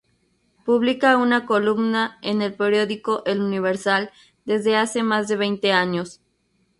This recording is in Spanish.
Publica una columna en el periódico "El Universal" desde hace más de veinte años.